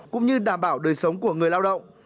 cũng như đảm bảo đời sống của người lao động